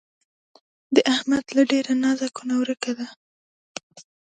د احمد له ډېره نازه کونه ورکه ده.